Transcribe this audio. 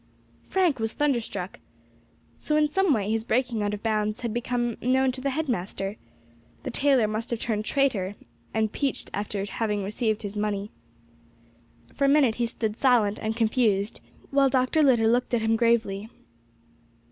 Frank was thunderstruck. So in some way his breaking out of bounds had become known to the headmaster. The tailor must have turned traitor and peached after having received his money. For a minute he stood silent and confounded, while Dr. Litter looked at him gravely.